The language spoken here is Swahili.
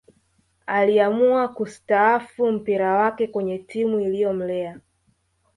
Aliamua kusitahafu mpira wake kwenye timu iliyomlea